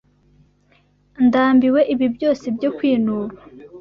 Ndambiwe ibi byose byo kwinuba.